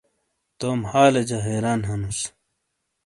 توم حالیجہ حیران ہنوس۔